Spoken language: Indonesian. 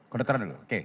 kedokteran dulu oke